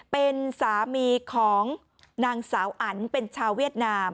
เป็นสามีของนางสาวอันเป็นชาวเวียดนาม